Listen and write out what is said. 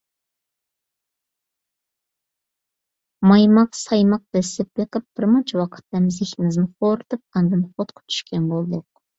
مايماق-سايماق دەسسەپ بېقىپ، بىرمۇنچە ۋاقىت ھەم زېھنىمىزنى خورىتىپ ئاندىن خوتقا چۈشكەن بولدۇق.